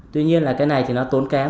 tuy nhiên là cái này thì nó tốn kém